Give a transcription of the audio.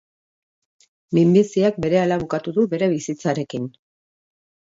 Minbiziak berehala bukatu du bere bizitzarekin.